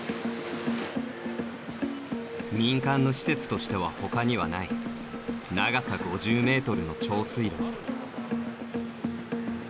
民間の施設としてはほかにはない長さ５０ｍの長水路。